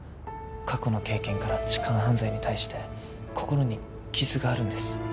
過去の経験から痴漢犯罪に対して心に傷があるんです